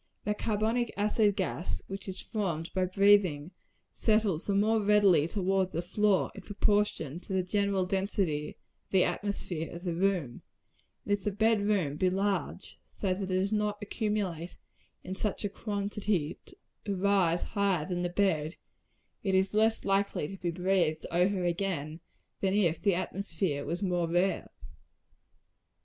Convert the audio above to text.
The carbonic acid gas which is formed by breathing, settles the more readily towards the floor, in proportion to the general density of the atmosphere of the room; and if the bed room be large, so that it does not accumulate in such a quantity as to rise higher than the bedstead, it is less likely to be breathed over again, than if the atmosphere were more rare.